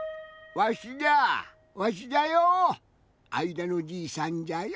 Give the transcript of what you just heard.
わしじゃわしじゃよ。